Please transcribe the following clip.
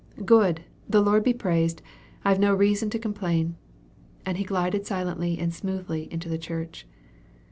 "Good the Lord be praised! I've no reason to complain." And he glided silently and smoothly into the church.